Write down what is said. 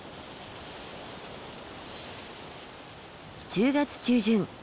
１０月中旬